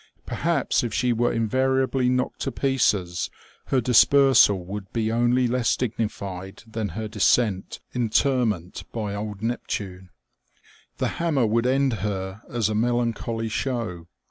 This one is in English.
Perhaps if she were invariably knocked to pieces her dispersal would be only less dignified than her decent interment by old Neptune. The hammer would end her as a melancholy show.